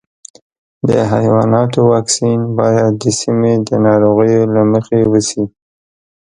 د حیواناتو واکسین باید د سیمې د ناروغیو له مخې وشي.